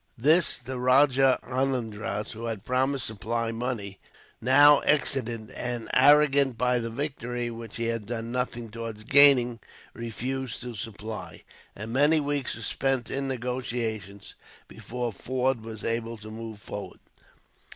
This the Rajah Anandraz, who had promised to supply money, now, excited and arrogant by the victory which he had done nothing towards gaining, refused to supply; and many weeks were spent in negotiations, before Forde was able to move forward.